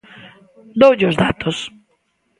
Doulle os datos.